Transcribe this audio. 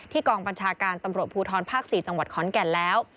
กองบัญชาการตำรวจภูทรภาค๔จังหวัดขอนแก่นแล้ว